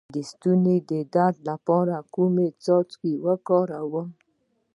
د ستوني د درد لپاره کوم څاڅکي وکاروم؟